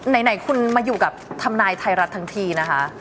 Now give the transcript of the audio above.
ไหนคุณมาอยู่กับทำนายไทยรัฐทั้งทีนะคะ